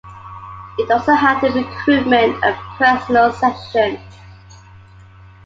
It also had a recruitment and personal section.